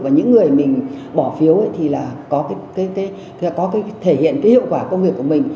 và những người mình bỏ phiếu thì có thể hiện hiệu quả công việc của mình